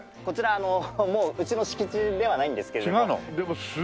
こちらもううちの敷地ではないんですけれども。